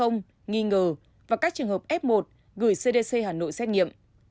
nghi ngờ và các trường hợp f một gửi cdc hà nội xét nghiệm